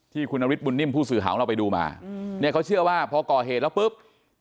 ที่คุณนฤทธบุญนิ่มผู้สื่อข่าวของเราไปดูมาเนี่ยเขาเชื่อว่าพอก่อเหตุแล้วปุ๊บ